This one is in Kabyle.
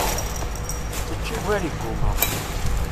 Ečč ugar igumma.